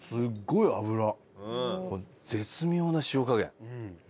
絶妙な塩加減。